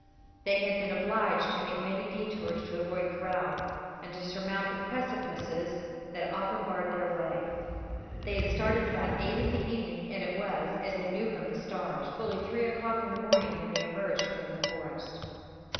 They had been obliged to make many detours to avoid kraals, and to surmount the precipices that often barred their way. They had started about eight in the evening, and it was, as they knew from the stars, fully three o'clock in the morning when they emerged from the forest.